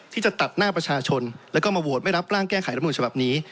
ที่จะตัดหน้าประชาชนแล้วก็มาโหวตไม่รับร่างแก้ไขรำนวลฉบับนี้